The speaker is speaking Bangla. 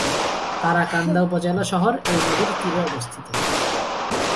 তারাকান্দা উপজেলা শহর এই নদীর তীরে অবস্থিত।